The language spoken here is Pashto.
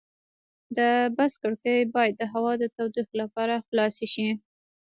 د بس کړکۍ باید د هوا د تودوخې لپاره خلاصې شي.